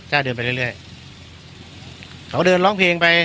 จะเดินไปเรื่อยเรื่อยเขาเดินร้องเพลงไป